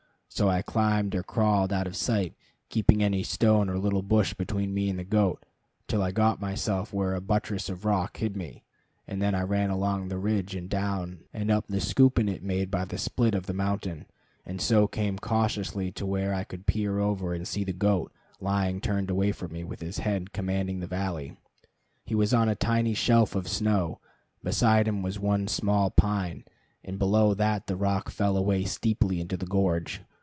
So I climbed, or crawled, out of sight, keeping any stone or little bush between me and the goat, till I got myself where a buttress of rock hid me, and then I ran along the ridge and down and up the scoop in it made by the split of the mountain, and so came cautiously to where I could peer over and see the goat lying turned away from me, with his head commanding the valley. He was on a tiny shelf of snow, beside him was one small pine, and below that the rock fell away steeply into the gorge.